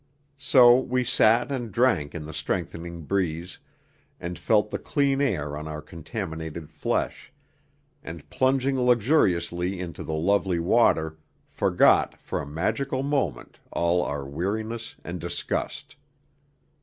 So we sat and drank in the strengthening breeze, and felt the clean air on our contaminated flesh; and plunging luxuriously into the lovely water forgot for a magical moment all our weariness and disgust.